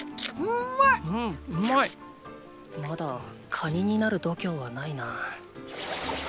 まだカニになる度胸はないな。